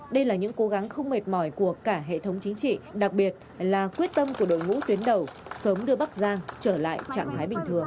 đây là những cố gắng không mệt mỏi của cả hệ thống chính trị đặc biệt là quyết tâm của đội ngũ tuyến đầu sớm đưa bắc giang trở lại trạng thái bình thường